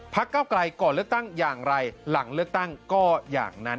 เก้าไกลก่อนเลือกตั้งอย่างไรหลังเลือกตั้งก็อย่างนั้น